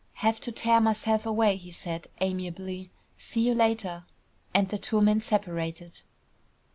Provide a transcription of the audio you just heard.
"Have to tear myself away," he said, amiably. "See you later," and the two men separated.